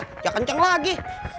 ya ya kenceng lagi